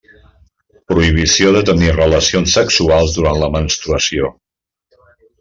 Prohibició de tenir relacions sexuals durant la menstruació.